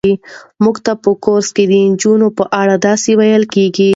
موږ ته په کورس کې د نجونو په اړه داسې ویل کېږي.